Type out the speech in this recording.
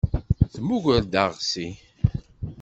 Tmugger-d aɣsi.